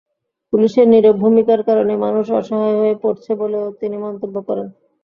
পুলিশের নীরব ভূমিকার কারণে মানুষ অসহায় হয়ে পড়ছে বলেও তিনি মন্তব্য করেন।